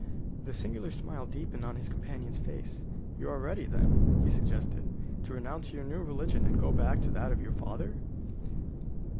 The singular smile deepened on his companion's face. "You are ready, then," he suggested, "to renounce your new religion and go back to that of your father?"